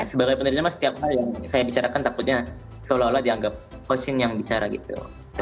sebagai penerjemah setiap kali yang saya bicarakan takutnya seolah olah dianggap ko shin yang bicara gitu